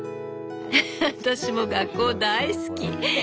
ハハ私も学校大好き！